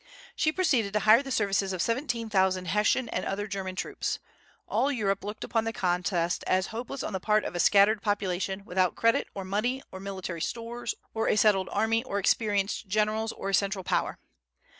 She proceeded to hire the services of seventeen thousand Hessian and other German troops. All Europe looked upon the contest as hopeless on the part of a scattered population, without credit, or money, or military stores, or a settled army, or experienced generals, or a central power.